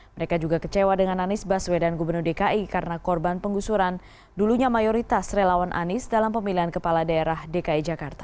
mereka juga kecewa dengan anies baswedan gubernur dki karena korban penggusuran dulunya mayoritas relawan anies dalam pemilihan kepala daerah dki jakarta